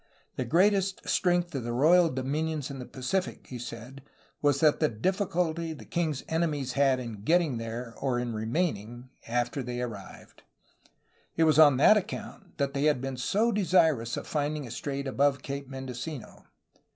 The greatest strength of the royal dominions in the Pacific, he said, was that of the difficulty the king's enemies had in getting there or in remaining, after they had arrived. It was on that account that they had been so desirous of finding a strait above Cape Mendocino.